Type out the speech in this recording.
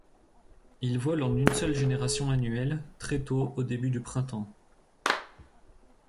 Il vole en une seule génération annuelle, très tôt au début du printemps.